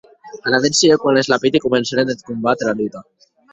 Alavetz siguec quan es lapiti comencèren eth combat e era luta.